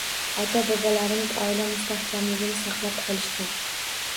Ota-bobolarimiz oila mustahkamligini saqlab qolishgan.